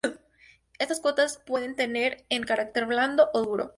Estas cuotas pueden tener un carácter "blando" o "duro".